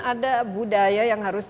ada budaya yang harus